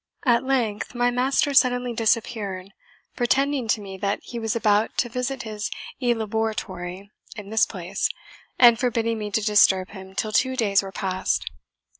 At length my master suddenly disappeared, pretending to me that he was about to visit his elaboratory in this place, and forbidding me to disturb him till two days were past.